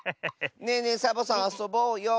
ねえねえサボさんあそぼうよ。